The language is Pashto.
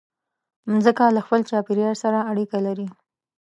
مځکه له خپل چاپېریال سره اړیکه لري.